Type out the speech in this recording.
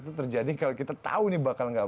itu terjadi kalau kita tahu nih bakal nggak